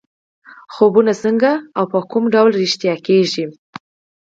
خوبونه څنګه او په کوم ډول رښتیا کېږي.